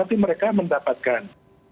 tapi mereka mendapatkan